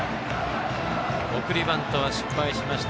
送りバントは失敗しました。